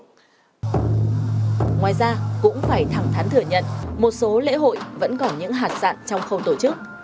ngoài ra cũng phải thẳng thắn thừa nhận một số lễ hội vẫn còn những hạt sạn trong khâu tổ chức